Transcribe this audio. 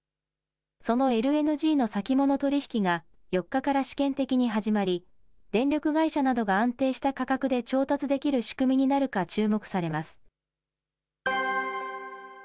そのＬＮＧの先物取引が４日から試験的に始まり、電力会社などが安定した価格で調達できる仕組みになるか注目されます。